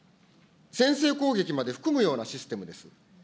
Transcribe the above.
先制攻撃まで含むようなシステムです。